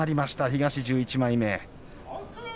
東１１枚目。